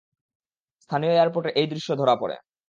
স্থানীয় এয়ারপোর্টে এই দৃশ্য ধরা পড়ে।